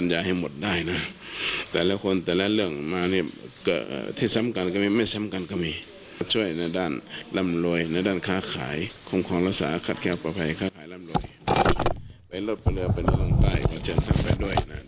อย่างนี้ก็มีตำนานอยู่แล้ว